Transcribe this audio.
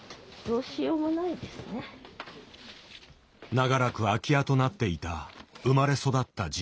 長らく空き家となっていた生まれ育った実家。